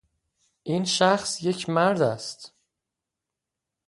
این شخص یک مرد است.